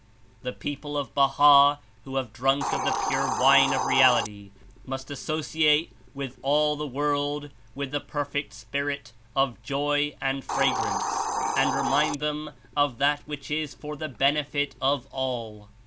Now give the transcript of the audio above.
The people of Baha who have drunk of the pure wine of Reality must associate with all the world with the perfect spirit of joy and fragrance, and remind them of that which Is for the benefit of all.